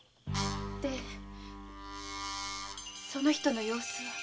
でその人の様子は？